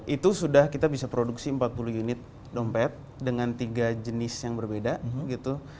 itu sudah kita bisa produksi empat puluh unit dompet dengan tiga jenis yang berbeda gitu